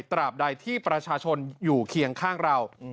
ตราบใดที่ประชาชนอยู่เคียงข้างเรา